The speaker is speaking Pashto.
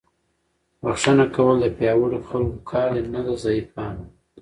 بښنه کول د پیاوړو خلکو کار دی، نه د ضعیفانو.